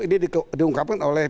ini diungkapkan oleh